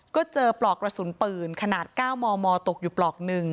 ก็เจอปลอกกระสุนปืนขนาด๙มมตกอยู่ปลอก๑